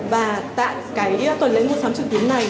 và tại tuần lễ mua sắm trực tuyến này